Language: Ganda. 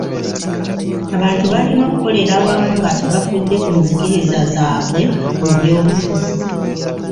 Abantu balina okukolera awamu nga tebafudde ku nzikiriza zaabwe mu byobufuzi.